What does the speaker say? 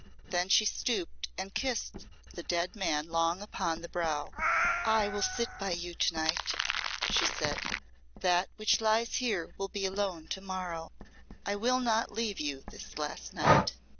Then she stooped and kissed the dead man long upon the brow. "I will sit by you to night," she said. "That which lies here will be alone to morrow. I will not leave you this last night.